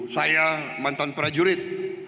saya mantan prajurit